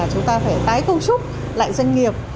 chúng ta phải tái công trúc lại doanh nghiệp